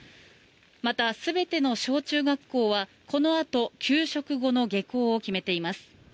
また全ての小中学校はこのあと給食後の下校を決めています。